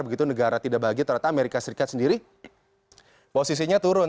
begitu negara tidak bahagia ternyata amerika serikat sendiri posisinya turun